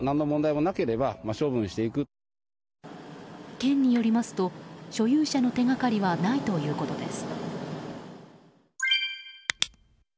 県によりますと所有者の手掛かりはないということです。